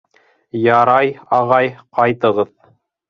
Ярай, ағай, ҡайтығыҙ.